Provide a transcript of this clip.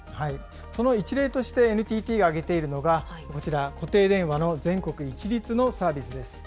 その一例としてＮＴＴが挙げているのが、こちら、固定電話の全国一律のサービスです。